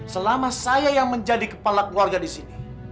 selama saya yang menjadi kepala keluarga disini